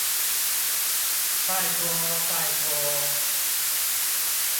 拜託拜託